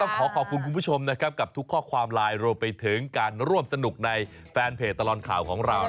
ขอขอบคุณคุณผู้ชมนะครับกับทุกข้อความไลน์รวมไปถึงการร่วมสนุกในแฟนเพจตลอดข่าวของเรา